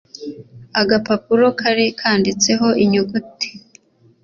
agapapuro kari kanditse ho inyugute